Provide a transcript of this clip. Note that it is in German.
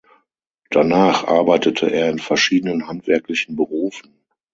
Danach arbeitete er in verschiedenen handwerklichen Berufen.